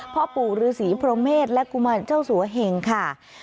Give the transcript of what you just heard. พ่อปู่ฤษีพรหมเมษและกุมารเจ้าสัวเหงค่ะ